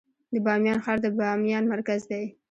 د بامیان ښار د بامیان مرکز دی